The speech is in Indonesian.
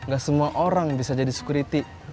gak semua orang bisa jadi security